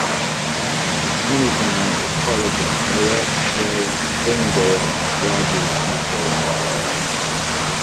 Tonitown is part of the Fayetteville, Springdale, Rogers metro area.